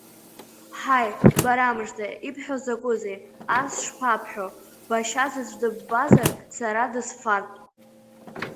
Ҳаи, бара мыжда, ибҳәо закәызеи, ас шԥабҳәо, башьа заҵә дыббазар, сара дысфартә.